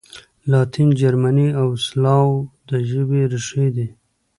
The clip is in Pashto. لاتین، جرمني او سلاو د ژبو ریښې دي.